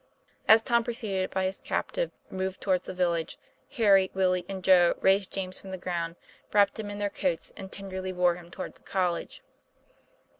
As Tom, preceded by his captive, moved toward the village, Harry, Willie, and Joe raised James from the ground, wrapped him in their coats, and tenderly bore him toward the college.